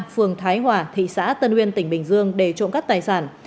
phường thái hòa thị xã tân uyên tỉnh bình dương để trộm cắp tài sản